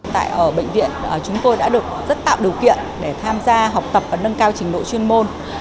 tại bệnh viện chúng tôi đã được rất tạo điều kiện để tham gia học tập và nâng cao trình độ chuyên môn